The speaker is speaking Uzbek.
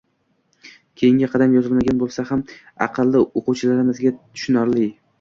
Keyingi qadam, yozilmagan bo'lsa ham, aqlli o'quvchilarimizga tushunarli